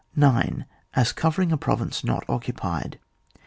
9, As covering a province not occupied.